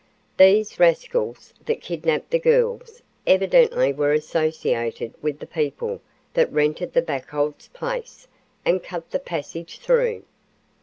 These rascals that kidnapped the girls evidently were associated with the people that rented the Buchholz place and cut the passage through.